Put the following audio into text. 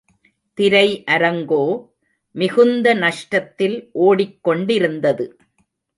திரை அரங்கோ மிகுந்த நஷ்டத்தில் ஒடிக் கொண்டிருந்தது.